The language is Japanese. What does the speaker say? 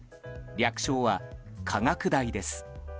略称は科学大です。